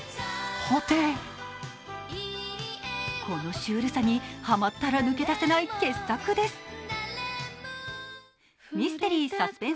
このシュールさにハマったら抜け出せない傑作です。